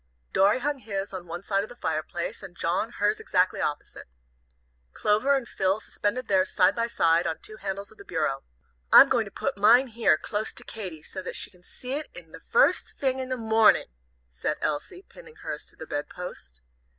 Dorry hung his on one side of the fireplace, and John hers exactly opposite. Clover and Phil suspended theirs side by side, on two handles of the bureau. "I'm going to put mine here, close to Katy, so that she can see it the first fing in the mornin'," said Elsie, pinning hers to the bed post.